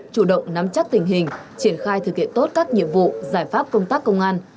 chủ động nắm chắc tình hình triển khai thực hiện tốt các nhiệm vụ giải pháp công tác công an